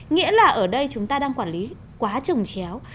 nghĩa là ở đây chúng ta đang quản lý quá trồng chéo